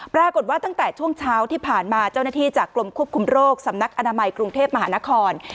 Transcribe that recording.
ตั้งแต่ช่วงเช้าที่ผ่านมาเจ้าหน้าที่จากกรมควบคุมโรคสำนักอนามัยกรุงเทพมหานคร